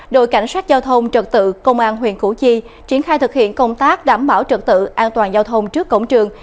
đội cảnh sát giao thông trật tự công an huyện củ chi triển khai thực hiện công tác đảm bảo trật tự an toàn giao thông trước cổng trường